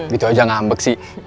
gitu aja ngambek sih